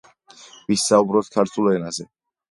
ვისაუბროთ ქართულ ენაზე